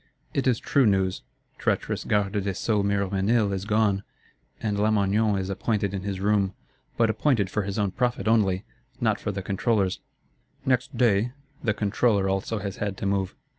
It is true news. Treacherous Garde des Sceaux Miroménil is gone, and Lamoignon is appointed in his room: but appointed for his own profit only, not for the Controller's: "next day" the Controller also has had to move.